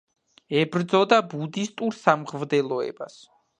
ებრძოდა ბუდისტურ სამღვდელოებას.